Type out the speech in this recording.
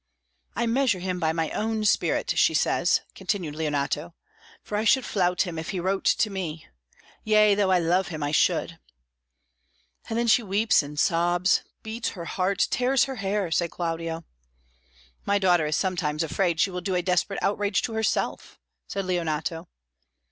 '" "'I measure him by my own spirit,' she says," continued Leonato, "'for I should flout him if he wrote to me yea, though I love him, I should.'" "And then she weeps and sobs, beats her heart, tears her hair," said Claudio. "My daughter is sometimes afraid she will do a desperate outrage to herself," said Leonato.